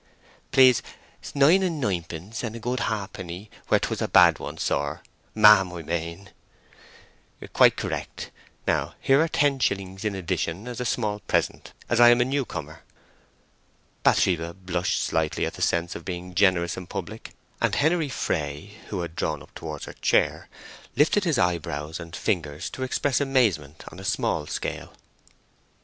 "Please nine and ninepence and a good halfpenny where 'twas a bad one, sir—ma'am I mane." "Quite correct. Now here are ten shillings in addition as a small present, as I am a new comer." Bathsheba blushed slightly at the sense of being generous in public, and Henery Fray, who had drawn up towards her chair, lifted his eyebrows and fingers to express amazement on a small scale.